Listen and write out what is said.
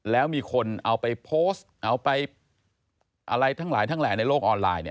แล้วมีคนเอาไปโพสต์เอาไปอะไรทั้งหลายทั้งแหล่ในโลกออนไลน์